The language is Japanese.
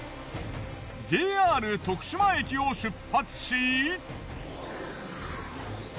ＪＲ徳島駅を出発し。